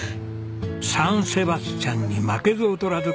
サンセバスチャンに負けず劣らず